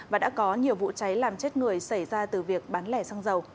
và đã có nhiều vụ cháy làm chết người xảy ra từ việc bán lẻ xăng dầu